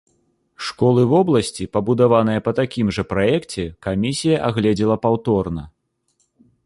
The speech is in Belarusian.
Школы вобласці, пабудаваныя па такім жа праекце, камісія агледзела паўторна.